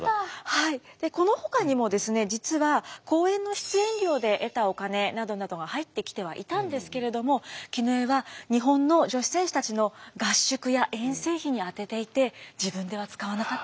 はいこのほかにもですね実は講演の出演料で得たお金などなどが入ってきてはいたんですけれども絹枝は日本の女子選手たちの合宿や遠征費に充てていて自分では使わなかったんだそうです。